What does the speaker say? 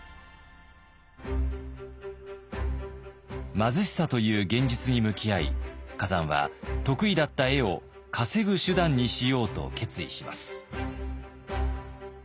貧しさという現実に向き合い崋山は得意だった絵を稼ぐ手段にしようと決意します。